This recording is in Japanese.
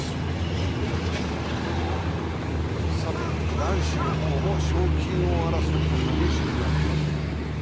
男子の方も賞金王争いが激しくなってきています。